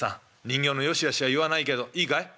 人形のよしあしは言わないけどいいかい？